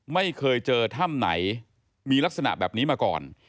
ไม่เคยเจอถ้ำไหนมีลักษณะแบบนี้มาก่อน